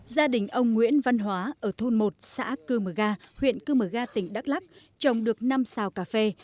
gia đình ông nguyễn văn hóa ở thôn một xã cư mờ ga huyện cư mờ ga tỉnh đắk lắc trồng được năm xào cà phê